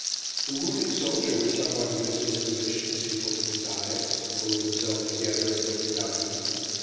The wounded soldier was somewhat of this disposition as he opened his eyes, pulled himself together, and looked about him.